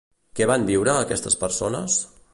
Què van viure, aquestes persones?